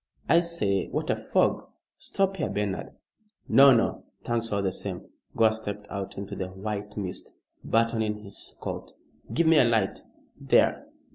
"I say, what a fog! Stop here, Bernard." "No! No! Thanks all the same." Gore stepped out into the white mist, buttoning his coat. "Give me a light. There!